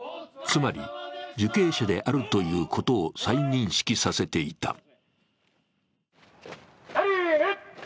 つまり、受刑者であるということを再認識させていた。